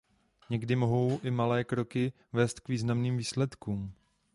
Někdy mohou i malé kroky vést k významným výsledkům.